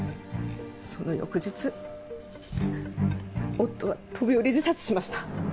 その翌日夫は飛び降り自殺しました。